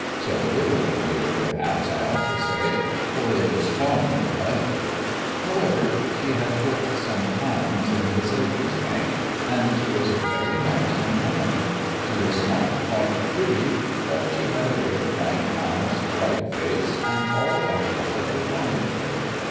So little a year, perhaps I ought to say, for it is far more likely. However, she had put 46 THE SCHOOLBOY'S STORY some pounds in the Savings' Bank, and she was a very nice young woman. She was not quite pretty ; but she had a very frank, honest, bright face, and all our fellows were fond of her.